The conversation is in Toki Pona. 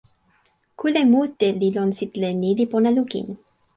kule mute li lon sitelen ni li pona lukin.